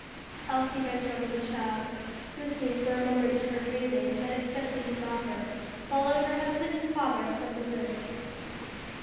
Elsie bent over the child, listening for a moment to her breathing, then accepting his offer, followed her husband and father from the room.